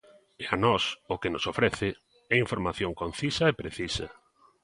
E a nós, o que nos ofrece, é información concisa e precisa.